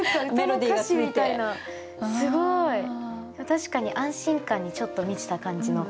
確かに安心感にちょっと満ちた感じの。